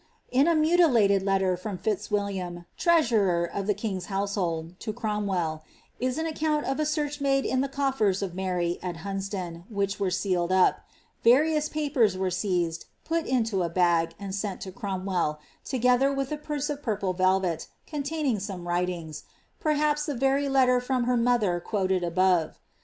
In a mutilated letter* from Fitzwilliam, treasurer of the king's house hold, to Cromwell, is an account of a search made in the cofiers of Mary, at Hunsdon, which were sealed up ; various papere were sei»d, put into a bag, and sent to Cromwell, together with a purse of purple velvet, containing some writing — perhaps the very letter from her mo ther quoted above.